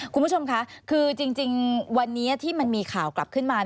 คุณผู้ชมค่ะคือจริงวันนี้ที่มันมีข่าวกลับขึ้นมา